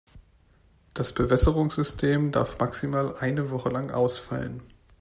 Das Bewässerungssystem darf maximal eine Woche lang ausfallen.